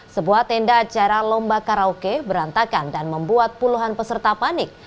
sebuah tenda acara lomba karaoke berantakan dan membuat puluhan peserta panik